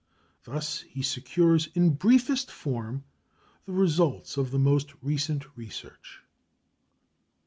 Thus he secures in briefest form the results of the most recent research.